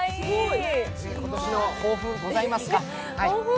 今年の抱負ございますか？